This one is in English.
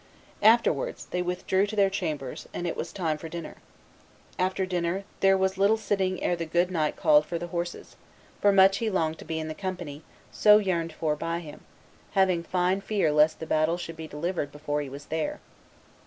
Afterwards, they withdrew to their chambers, and it was time for dinner. After dinner, there was little sitting ere the good knight called for the horses; for much he longed to be in the company so yearned for by him, having fine fear lest the battle should be delivered before he was there.